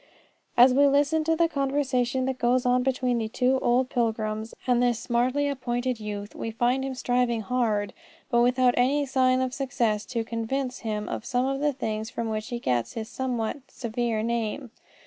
As we listen to the conversation that goes on between the two old pilgrims and this smartly appointed youth, we find them striving hard, but without any sign of success, to convince him of some of the things from which he gets his somewhat severe name.